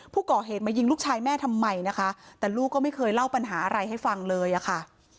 ผู้ก่อเหตุมายิงลูกชายแม่ทำไมนะคะแต่ลูกก็ไม่เคยเล่าปัญหาอะไรให้ฟังเลยอะค่ะ